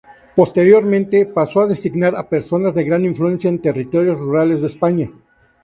Posteriormente, pasó a designar a personas de gran influencia en territorios rurales de España.